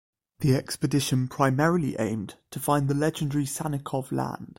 The expedition primarily aimed to find the legendary Sannikov Land.